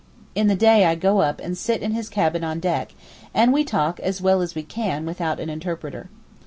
In the day I go up and sit in his cabin on deck, and we talk as well as we can without an interpreter.